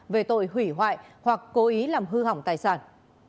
về tội hủy hoại hoặc cố ý làm hư hỏng tài sản